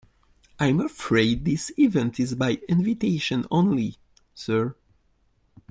I'm afraid this event is by invitation only, sir.